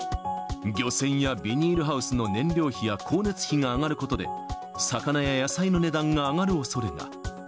漁船やビニールハウスの燃料費や光熱費が上がることで、魚や野菜の値段が上がるおそれが。